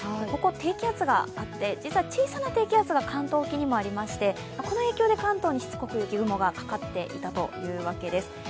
ここ低気圧があって、実は小さな低気圧が関東沖にもあって、この影響で関東にしつこく雪雲がかかっていたというわけです。